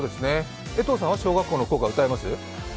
江藤さんは小学校の校歌歌えます？